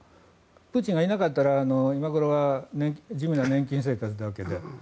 プーチンがいなかったら今頃は地味な年金生活のわけで。